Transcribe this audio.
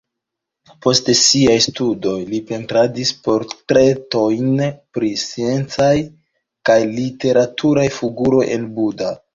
Post siaj studoj li pentradis portretojn pri sciencaj kaj literaturaj figuroj en Buda.